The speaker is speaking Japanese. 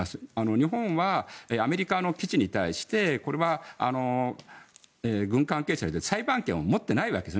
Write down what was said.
日本はアメリカの基地に対してこれは軍関係者裁判権を持っていないわけですよ